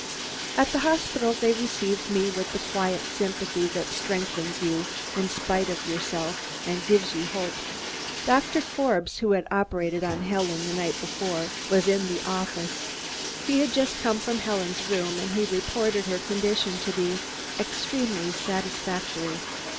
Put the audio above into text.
At the hospital, they received me with the quiet sympathy that strengthens you in spite of yourself and gives you hope. Doctor Forbes, who had operated on Helen the night before, was in the office. He had just come from Helen's room and he reported her condition to be "extremely satisfactory."